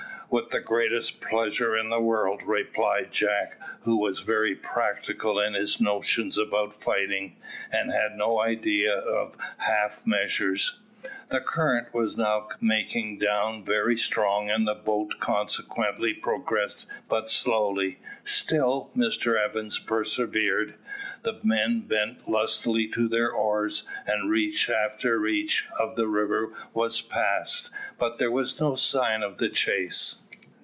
"With the greatest pleasure in the world," replied Jack, who was very practical in his notions about fighting, and had no idea of half measures. The current was now making down very strong, and the boat consequently progressed but slowly. Still Mr Evans persevered. The men bent lustily to their oars, and reach after reach of the river was passed, but there was no sign of the chase.